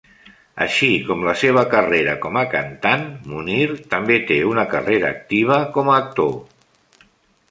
Així com la seva carrera com a cantant, Mounir també té una carrera activa com a actor.